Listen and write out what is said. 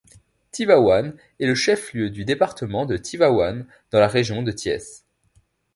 Tivaouane est le chef-lieu du département de Tivaouane dans la région de Thiès.